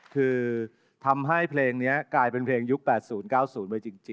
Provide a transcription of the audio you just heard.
คือทำให้เพลงเนี้ยกลายเป็นเพลงยุคแปดศูนย์เก้าศูนย์มาจริง